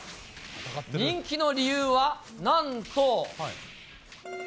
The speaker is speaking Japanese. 人気の理由は、なんと。